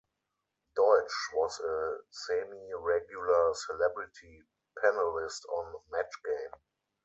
Deutsch was a semi-regular celebrity panelist on "Match Game".